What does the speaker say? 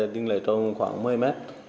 đi lấy tôm khoảng một mươi mét